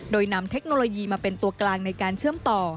โดยนำเทคโนโลยีมาเป็นตัวกลางในการเชื่อมต่อ